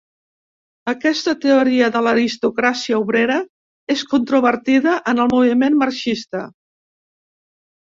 Aquesta teoria de l'aristocràcia obrera és controvertida en el moviment marxista.